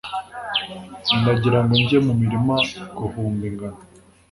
ndagira ngo njye mu mirima guhumba ingano